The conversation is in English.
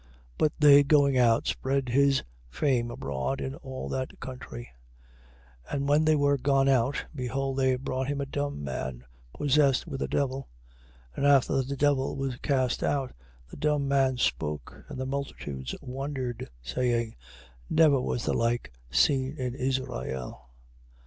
9:31. But they going out, spread his fame abroad in all that country. 9:32. And when they were gone out, behold they brought him a dumb man, possessed with a devil. 9:33. And after the devil was cast out, the dumb man spoke, and the multitudes wondered, saying, Never was the like seen in Israel.